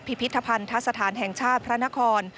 พิพิธภัณฑสถานแห่งชาติพระนคร